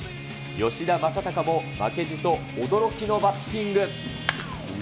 吉田正尚も負けじと驚きのバッティング。